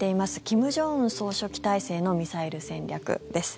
金正恩総書記体制のミサイル戦略です。